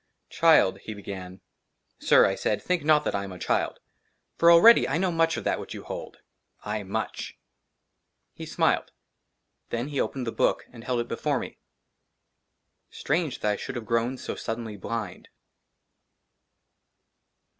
"CHILD " HE BEGAN. SIR," I SAID, *' THINK NOT THAT I AM A CHILD, FOR ALREADY I KNOW MUCH OF THAT WHICH YOU HOLD. *' AYE, MUCH." HE SMILED. THEN HE OPENED THE BOOK AND HELD IT BEFORE ME. STRANGE THAT I SHOULD HAVE GROWN SO SUDDENLY BLIND.